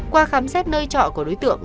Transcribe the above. qua khám xét nơi chọ của đối tượng